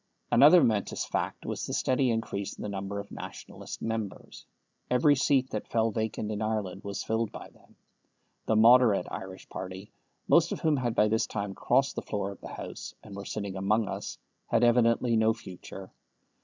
Another momentous fact was the steady increase in the number of Nationalist members. Every seat that fell vacant in Ireland was filled by them. The moderate Irish party, most of whom had by this time crossed the floor of the House, and were sitting among us, had evidently no future.